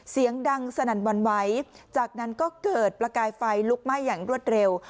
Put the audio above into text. เสียงดังสนั่นวันไหวจากนั้นก็เกิดประกายไฟลุกไหม้อย่างรวดเร็ว